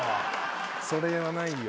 それはないよ。